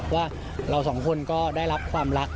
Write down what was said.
ว่าเราสองคนก็ได้รับความรัก